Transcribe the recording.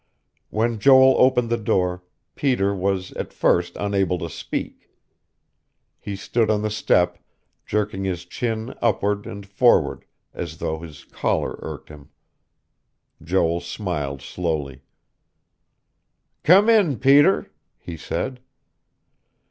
When Joel opened the door, Peter was at first unable to speak. He stood on the step, jerking his chin upward and forward as though his collar irked him. Joel smiled slowly. "Come in, Peter," he said.